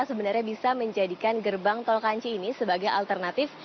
sebenarnya bisa menjadikan gerbang tol kanci ini sebagai alternatif